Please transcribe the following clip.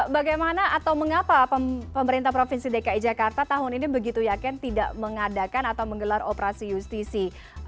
bagaimana atau mengapa pemerintah provinsi dki jakarta tahun ini begitu yakin tidak mengadakan atau menggelar operasi justisi